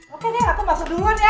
oke deh aku masuk duluan ya